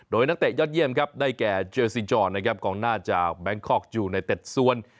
โดยนักเตะยอดเยี่ยมได้แก่เจอซีจอร์ของหน้าจาวแบงคอกอยู่ในเต็ดส่วน